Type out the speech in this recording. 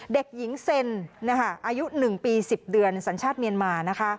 เด็กหญิงเซ็นอายุหนึ่งปีสิบเดือนสัญชาติเมียนมา